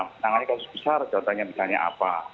menangani kasus besar datanya misalnya apa